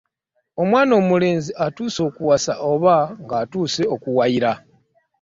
Omwana omulenzi atuuse okuwasa oba ng'atuuse okuwayira.